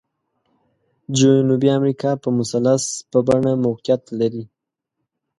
جنوبي امریکا په مثلث په بڼه موقعیت لري.